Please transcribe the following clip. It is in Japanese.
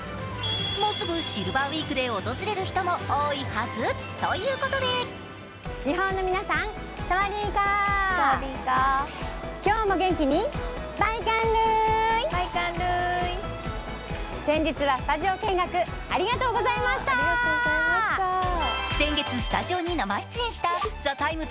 もうすぐシルバーウイークで訪れる人も多いはずということで先月スタジオに生出演した「ＴＨＥＴＩＭＥ，」